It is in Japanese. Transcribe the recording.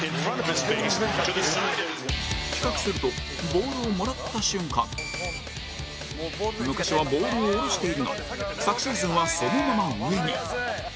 比較するとボールをもらった瞬間昔はボールを下ろしているが昨シーズンはそのまま上に